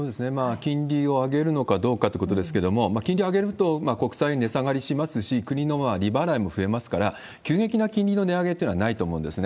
金利を上げるのかどうかということですけれども、金利を上げると、国債値下がりしますし、国の利払いも増えますから、急激な金利の値上げというのはないと思うんですね。